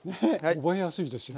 覚えやすいですよ